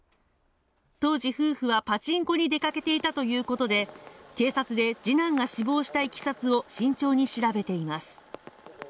当時夫婦はパチンコに出かけていたということで警察で次男が死亡したいきさつを慎重に調べています